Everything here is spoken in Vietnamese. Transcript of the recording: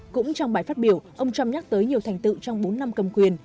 cũng trong bài phát biểu ông trump nhắc tới nhiều thành tựu trong bốn năm cầm quyền